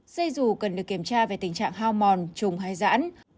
xe dù cần được kiểm tra về tình trạng hao mòn trùng hay rãn